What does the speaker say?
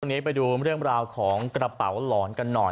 ไปดูเรื่องราวของกระเป๋าหลอนกันหน่อย